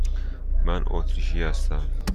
من اتریشی هستم.